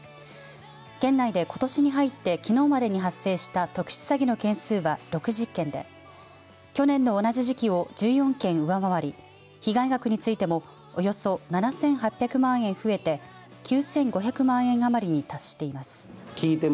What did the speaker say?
県内で、ことしに入ってきのうまでに発生した特殊詐欺の件数は６０件で、去年の同じ時期を１４件上回り被害額についてもおよそ７８００万円増えて９５００万円余りに達しています。